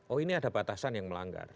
oh ini ada batasan yang melanggar